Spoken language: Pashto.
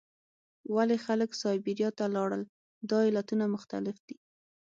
ولې خلک سابیریا ته لاړل؟ دا علتونه مختلف دي.